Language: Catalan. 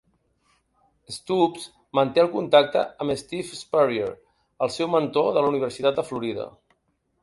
Stoops manté el contacte amb Steve Spurrier, el seu mentor de la Universitat de Florida.